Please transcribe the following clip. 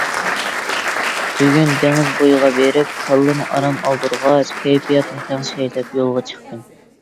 بۈگۈن دېڭىز بويىغا بېرىپ كاللىنى ئارام ئالدۇرغاچ كەيپىياتنى تەڭشەي دەپ يولغا چىقتىم.